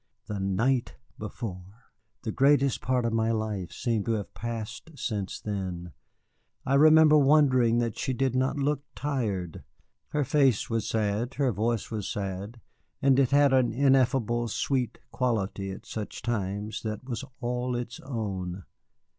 The night before! The greatest part of my life seemed to have passed since then. I remember wondering that she did not look tired. Her face was sad, her voice was sad, and it had an ineffable, sweet quality at such times that was all its own.